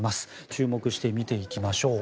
注目して見ていきましょう。